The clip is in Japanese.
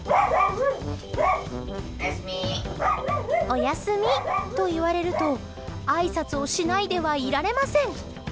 おやすみと言われるとあいさつをしないではいられません。